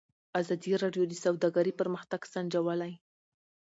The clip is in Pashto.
ازادي راډیو د سوداګري پرمختګ سنجولی.